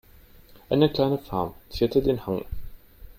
Eine kleine Farm zierte den Hang.